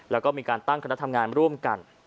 แล้วก็มีการตั้งคณะทำงานร่วมกัน